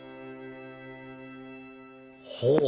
ほう！